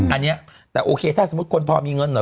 อันนี้แต่โอเคถ้าสมมุติคนพอมีเงินเหรอ